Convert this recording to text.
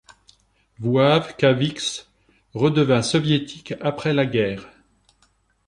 Vawkavysk redevint soviétique après la guerre.